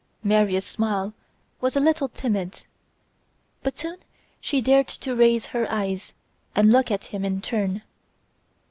Maria's smile was a little timid, but soon she dared to raise her eyes and look at him in turn.